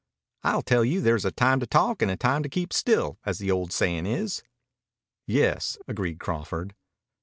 I'll tell you there's a time to talk and a time to keep still, as the old sayin' is." "Yes," agreed Crawford.